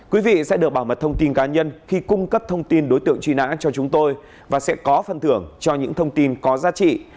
quý vị sẽ được bảo mật thông tin cá nhân khi cung cấp thông tin đối tượng truy nã cho chúng tôi và sẽ có phân thưởng cho những thông tin có giá trị